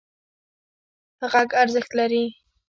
غږ ارزښت لري.